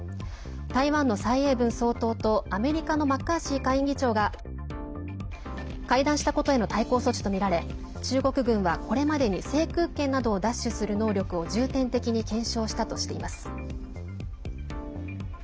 台湾の蔡英文総統と、アメリカのマッカーシー下院議長が会談したことへの対抗措置とみられ中国軍はこれまでに制空権などを奪取する能力を重点的に検証したとしています。